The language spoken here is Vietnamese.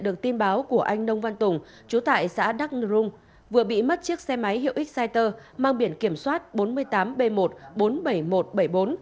được tin báo của anh nông văn tùng chú tại xã đắc nung vừa bị mất chiếc xe máy hiệu exciter mang biển kiểm soát bốn mươi tám b một bốn mươi bảy nghìn một trăm bảy mươi bốn